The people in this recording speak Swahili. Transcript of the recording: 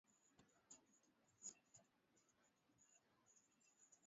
Hata hivyo kuchanganya damu katika maziwa ni mlo unaodidimia kutokana na kupunguka kwa mifugo